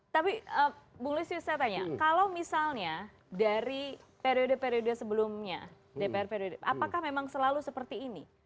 tapi bung lusius saya tanya kalau misalnya dari periode periode sebelumnya dpr periode apakah memang selalu seperti ini